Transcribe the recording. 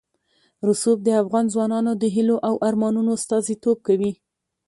رسوب د افغان ځوانانو د هیلو او ارمانونو استازیتوب کوي.